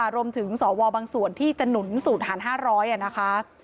สวบางส่วนที่จะหนุนสูตรหาร๕๐๐นะคะ